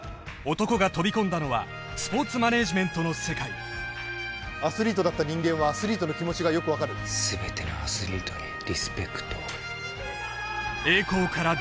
男が飛び込んだのはスポーツマネージメントの世界アスリートだった人間はアスリートの気持ちがよく分かる「すべてのアスリートにリスペクトを」